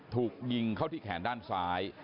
ถูกยิงเข้าที่แขนด้านซ้าย